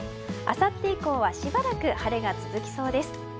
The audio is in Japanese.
あさって以降はしばらく晴れが続きそうです。